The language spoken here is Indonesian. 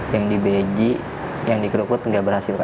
yang di beji yang di kerukut nggak berhasil